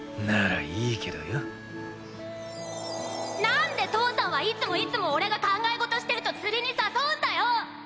なんで父さんはいつもいつも俺が考え事してると釣りに誘うんだよ！